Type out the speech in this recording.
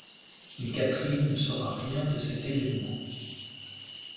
Mais Katherine ne saura rien de cet évènement.